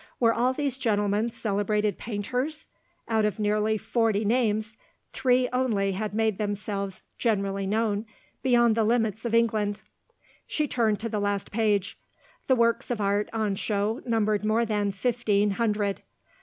Were all these gentlemen celebrated painters? Out of nearly forty names, three only had made themselves generally known beyond the limits of England. She turned to the last page. The works of art on show numbered more than fifteen hundred.